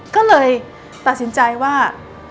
ก็เลยตัดสินใจว่า